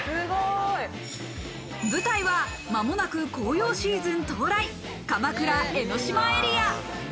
舞台は、間もなく紅葉シーズン到来、鎌倉・江の島エリア。